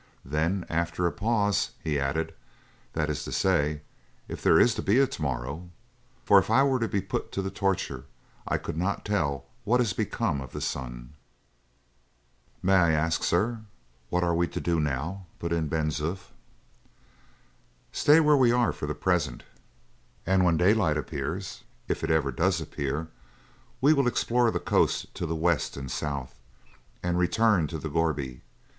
Then, after a pause, he added: "That is to say, if there is to be a to morrow; for if I were to be put to the torture, I could not tell what has become of the sun." "May I ask, sir, what we are to do now?" put in Ben Zoof. "Stay where we are for the present; and when daylight appears if it ever does appear we will explore the coast to the west and south, and return to the gourbi.